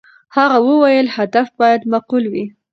هغه وویل، هدف باید معقول وي.